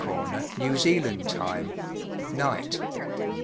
corner New Zealand time (night).